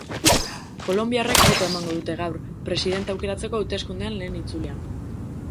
Kolonbiarrek botoa emango dute gaur, presidentea aukeratzeko hauteskundeen lehen itzulian.